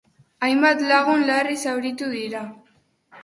Hainbat lagun larri zauritu dira.